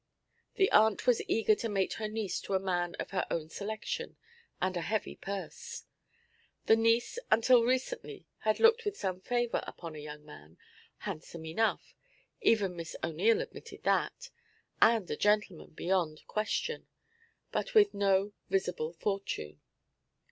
The aunt was eager to mate her niece to a man of her own selection and a heavy purse. The niece until recently had looked with some favour upon a young man, handsome enough even Miss O'Neil admitted that and a gentleman beyond question, but with no visible fortune.